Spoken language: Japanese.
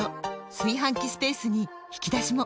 炊飯器スペースに引き出しも！